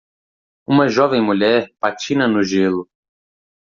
Uma jovem mulher patina no gelo.